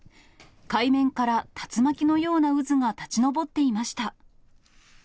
海面から竜巻のような渦が立ち上っていました。